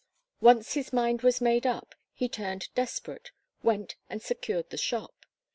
Once, his mind was made up, he turned desperate, went and secured the shop.